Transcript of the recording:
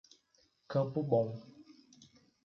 Campo Bom